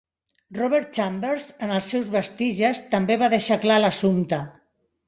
Robert Chambers, en els seus "Vestiges" també va deixar clar l'assumpte.